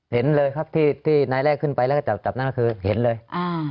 เห็นเลยครับที่นายแรกขึ้นไปแล้วก็จับจับนั่นก็คือเห็นเลย